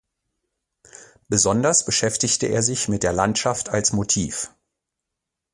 Besonders beschäftigte er sich mit der Landschaft als Motiv.